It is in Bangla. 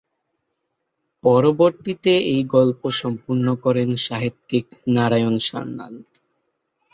পরবর্তীতে এই গল্প সম্পূর্ণ করেন সাহিত্যিক নারায়ণ সান্যাল।